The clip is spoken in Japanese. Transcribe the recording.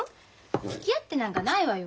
つきあってなんかないわよ。